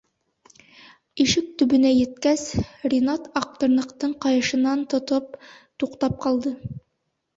Ишек төбөнә еткәс, Ринат, Аҡтырнаҡтың ҡайышынан тотоп туҡтап ҡалды.